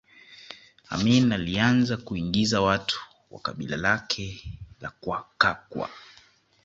Amin alianza kuingiza watu wa kabila lake la Kakwa